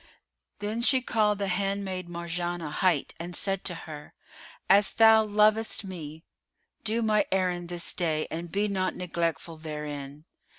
Then she called the handmaid Marjanah hight and said to her, "As thou lovest me, do my errand this day and be not neglectful therein!